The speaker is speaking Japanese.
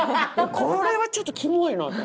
これはちょっとキモいなと。